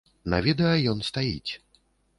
На відэа ён стаіць.